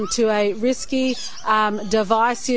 untuk suara mayoritas yang berbahaya